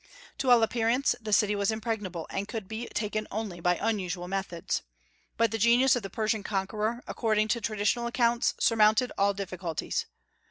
To all appearance the city was impregnable, and could be taken only by unusual methods. But the genius of the Persian conqueror, according to traditional accounts, surmounted all difficulties.